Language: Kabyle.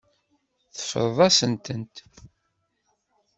Teffreḍ-asen-tent.